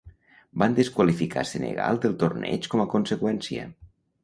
Van desqualificar Senegal del torneig com a conseqüència.